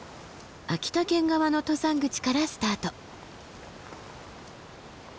秋田県側の登山口からスタート。